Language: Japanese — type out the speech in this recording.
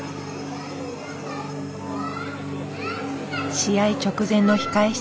試合直前の控え室。